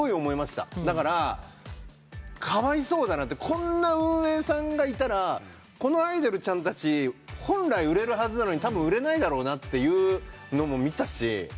こんな運営さんがいたらこのアイドルちゃんたち本来売れるはずなのにたぶん売れないだろうなっていうのも見たし。